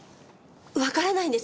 わからないんです。